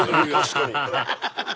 アハハハ！